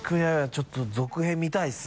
ちょっと続編見たいですね。